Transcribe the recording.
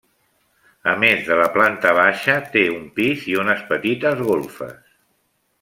A més de la planta baixa té un pis i unes petites golfes.